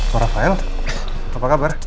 pak rafael apa kabar